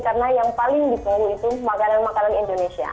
karena yang paling disuruh itu makanan makanan indonesia